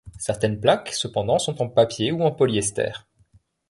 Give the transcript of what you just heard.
Certaines plaques cependant sont en papier ou en polyester.